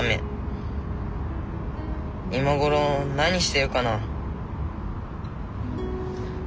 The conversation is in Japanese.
今頃何してるかな？